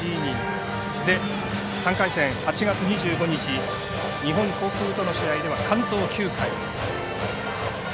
そして３回戦８月２５日日本航空との試合では完投９回。